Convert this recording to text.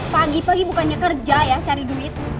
pagi pagi bukannya kerja ya cari duit